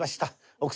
奥様